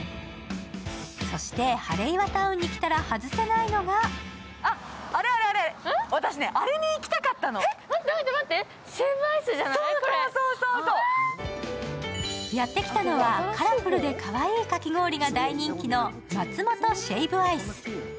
そして、ハレイワタウンに来たら外せないのがやってきたのはカラフルでかわいいかき氷が大人気のマツモトシェイブアイス。